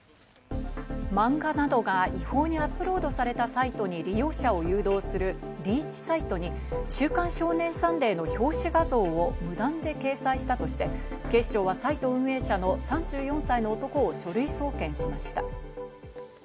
漫画などが違法にアップロードされたサイトに利用者を誘導するリーチサイトに『週刊少年サンデー』の表紙画像を無断で掲載したとして、警視庁はサイト運営者の３４歳の男を書類送検しました。